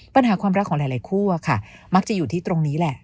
ปัญหาความรักของหลายคู่อะค่ะมักจะอยู่ที่ตรงนี้แหละ